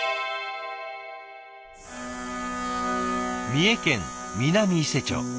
三重県南伊勢町。